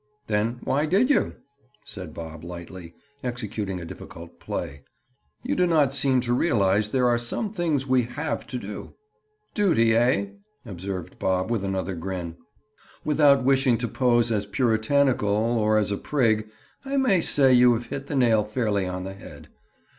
"Then why did you?" said Bob lightly, executing a difficult play. "You do not seem to realize there are some things we have to do." "Duty, eh?" observed Bob with another grin. "Without wishing to pose as puritanical, or as a prig, I may say you have hit the nail fairly on the head."